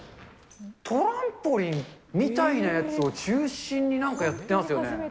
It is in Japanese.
トランポリンみたいなやつを中心になんかやってますよね。